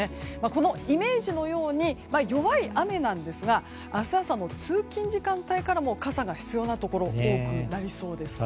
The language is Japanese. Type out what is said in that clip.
このイメージのように弱い雨なんですが明日朝の通勤時間帯からも傘が必要なところ多くなりそうです。